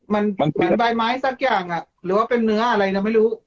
มันใบไม้สักอย่างอ่ะหรือเป็นเนื้ออะไรนะไม่รู้